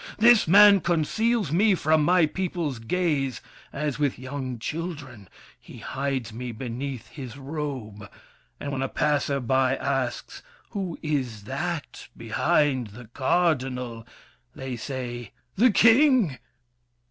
This man conceals me from my people's gaze. As with young children, he hides me beneath His robe; and when a passer by asks, "Who Is that behind the Cardinal?" they say, "The King!"